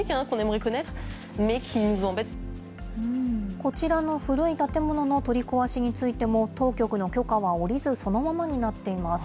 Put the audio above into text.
こちらの古い建物の取り壊しについても当局の許可は下りず、そのままになっています。